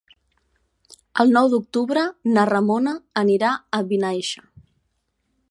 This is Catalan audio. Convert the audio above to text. El nou d'octubre na Ramona anirà a Vinaixa.